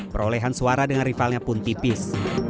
perolehan suara dengan rivalnya pun tipis